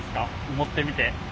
持ってみて。